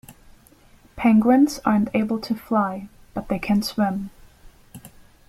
Penguins aren't able to fly, but they can swim